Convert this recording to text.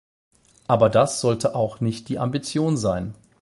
Aber das sollte auch nicht die Ambition sein.